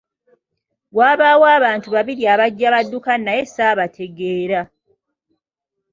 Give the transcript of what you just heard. Wabaawo abantu babiri abajja badduka naye saabategeera.